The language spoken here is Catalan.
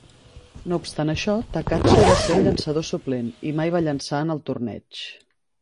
No obstant això, Takatsu va ser el llançador suplent, i mai va llençar en el torneig.